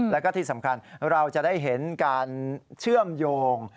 แล้วก็ที่สำคัญเราจะได้เห็นการเชื่อมโยง